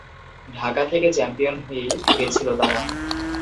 ঢাকা থেকে চ্যাম্পিয়ন হয়েই ফিরেছিল তাঁরা।